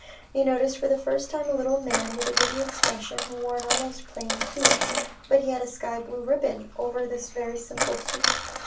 He noticed for the first time a little man with a witty expression, who wore an almost plain suit. But he had a sky blue ribbon over this very simple suit.